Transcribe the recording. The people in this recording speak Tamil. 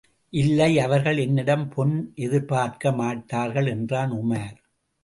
இல்லை, அவர்கள் என்னிடம் பொன் எதிர்பார்க்க மாட்டார்கள் என்றான் உமார்.